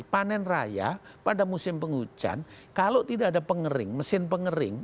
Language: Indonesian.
panen raya pada musim penghujan kalau tidak ada pengering mesin pengering